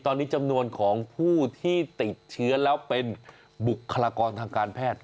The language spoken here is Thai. ตอนนี้จำนวนของผู้ที่ติดเชื้อแล้วเป็นบุคลากรทางการแพทย์